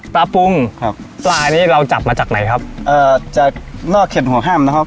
ปลาปรุงครับปลานี้เราจับมาจากไหนครับเอ่อจากนอกเข็นหัวห้ามนะครับ